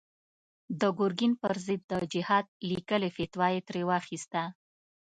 د ګرګين پر ضد د جهاد ليکلې فتوا يې ترې واخيسته.